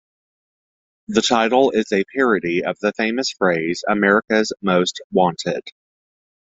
The title is a parody of the famous phrase "America's Most Wanted".